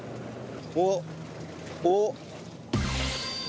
おっおっ。